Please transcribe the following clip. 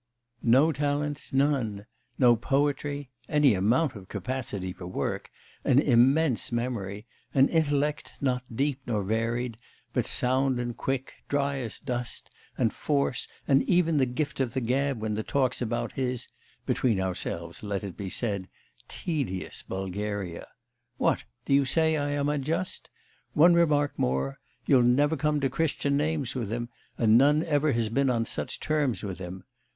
No talents, none, no poetry, any amount of capacity for work, an immense memory, an intellect not deep nor varied, but sound and quick, dry as dust, and force, and even the gift of the gab when the talk's about his between ourselves let it be said tedious Bulgaria. What! do you say I am unjust? One remark more: you'll never come to Christian names with him, and none ever has been on such terms with him.